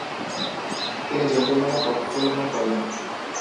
তিনি জেন্টলম্যানের পক্ষাবলম্বন করেন।